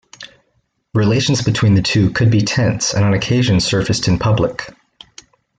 Relations between the two could be tense, and on occasion surfaced in public.